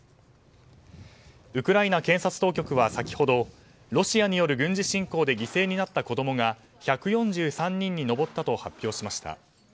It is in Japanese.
ウクライナ検察当局は先ほどロシアによる軍事侵攻で犠牲になった子供が１４３人に上ったと発表しました。